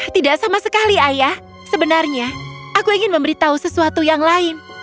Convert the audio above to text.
tidak sama sekali ayah sebenarnya aku ingin memberitahu sesuatu yang lain